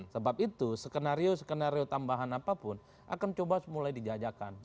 sebab itu skenario skenario tambahan apapun akan coba mulai dijajakan